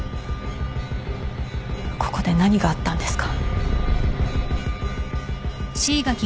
ここで何があったんですか？